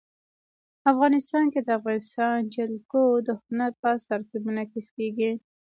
افغانستان کې د افغانستان جلکو د هنر په اثار کې منعکس کېږي.